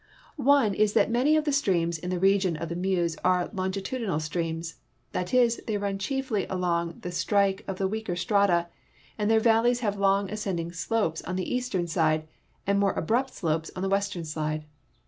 One is that many ot the streams in the region of the Meuse are longitudinal streams — that is, they run chiefly along the strike of the weaker strata and their valleys have long ascending slopes on the eastern side and more abrui)t sloi)es on tlie western side.